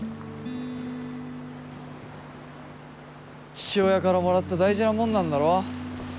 父親からもらった大事なもんなんだろ。